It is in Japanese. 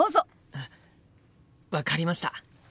あっ分かりました！